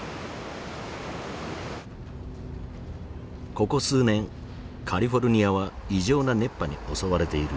ここ数年カリフォルニアは異常な熱波に襲われている。